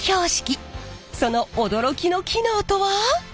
その驚きの機能とは？